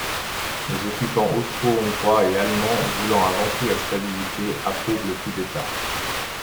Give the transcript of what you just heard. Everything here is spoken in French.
Les occupants austro-hongrois et allemands, voulant avant tout la stabilité, approuvent le coup d'État.